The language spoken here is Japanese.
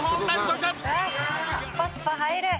「スパスパ入る！」